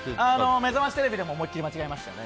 「めざましテレビ」でも思い切り間違えましたね。